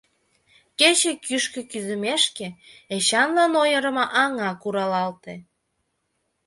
Кече кӱшкӧ кӱзымешке, Эчанлан ойырымо аҥа куралалте.